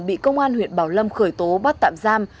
bị công an huyện bảo lâm khởi tố bắt tạm giam